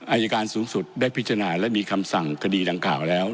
อายการสูงสุดได้พิจารณาและมีคำสั่งคดีดังกล่าวแล้ว